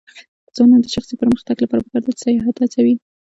د ځوانانو د شخصي پرمختګ لپاره پکار ده چې سیاحت هڅوي.